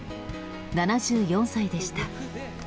７４歳でした。